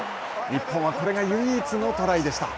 日本はこれが唯一のトライでした。